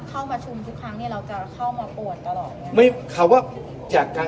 เข้าประชุมทุกครั้งเนี่ยเราจะเข้ามาโปรดกรอบเนี่ย